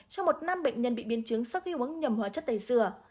cho một nam bệnh nhân bị biến chứng sắc khi uống nhầm hóa chất tây dừa